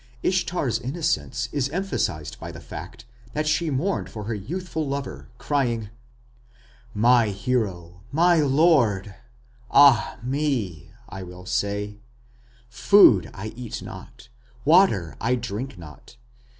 Ishtar's innocence is emphasized by the fact that she mourned for her youthful lover, crying: Oh hero, my lord, ah me! I will say; Food I eat not ... water I drink not